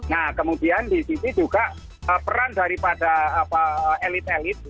nah kemudian di sini juga peran daripada elit elit